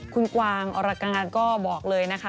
คุณกวางอรการก็บอกเลยนะคะ